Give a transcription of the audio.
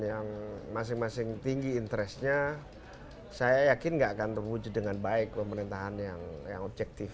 yang masing masing tinggi interestnya saya yakin tidak akan terwujud dengan baik pemerintahan yang objektif